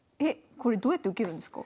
これどうやって受けるんですか？